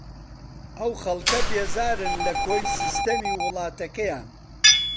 ئەو خەڵکە بێزارن لە کۆی سیستەمی وڵاتەکانیان